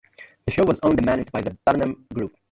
The show was owned and managed by the Blenheim Group.